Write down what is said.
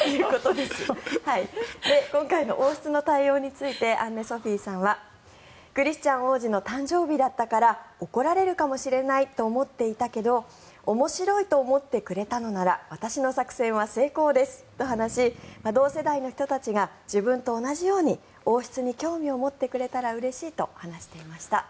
今回の王室の対応についてアンネ・ソフィーさんはクリスチャン王子の誕生日だったから怒られるかもしれないと思っていたけど面白いと思ってくれたのなら私の作戦は成功ですと話し同世代の人たちが自分と同じように王室に興味を持ってくれたらうれしいと話していました。